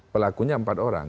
pelakunya empat orang